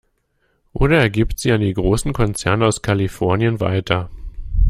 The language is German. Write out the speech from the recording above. Oder er gibt sie an große Konzerne aus Kalifornien weiter.